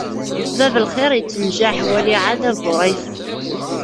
Bab n lxiṛ ittenjaḥ, wali ɛad aburaysu!